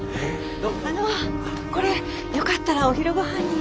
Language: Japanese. あのこれよかったらお昼ごはんに。